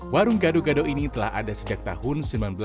warung gado gado ini telah ada sejak tahun seribu sembilan ratus delapan puluh